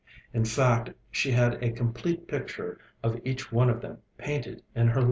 In fact, she had a complete picture of each one of them painted in her little heart.